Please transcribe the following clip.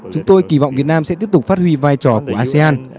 chúng tôi kỳ vọng việt nam sẽ tiếp tục phát huy vai trò của asean